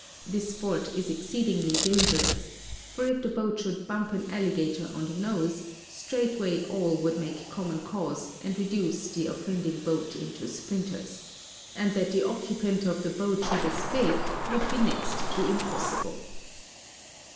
This sport is exceedingly dangerous, for if the boat should bump an alligator on the nose, straightway all would make common cause and reduce the offending boat into splinters; and that the occupant of the boat should escape would be next to impossible.